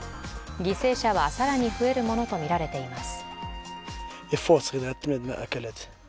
犠牲者は更に増えるものとみられています。